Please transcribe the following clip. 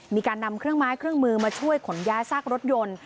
มีการนำเครื่องไม้เครื่องมือมาช่วยขนย้ายซากรถยนต์